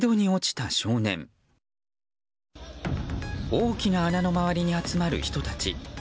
大きな穴の周りに集まる人たち。